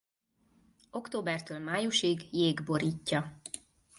Októbertől májusig jég borítja.